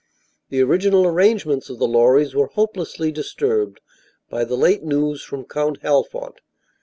The original arrangements of the Lorrys were hopelessly disturbed by the late news from Count Halfont.